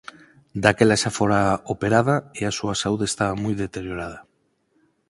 Daquela xa fora operada e a súa saúde estaba moi deteriorada.